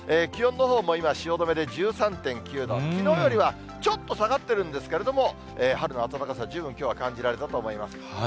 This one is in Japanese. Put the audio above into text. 気温のほうも今、汐留で１３．９度、きのうよりはちょっと下がってるんですけれども、春の暖かさ、十分きょうは感じられたと思います。